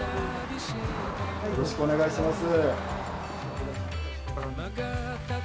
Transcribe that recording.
よろしくお願いします。